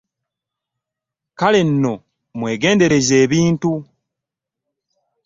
Kale nno mwegendereze ebintu .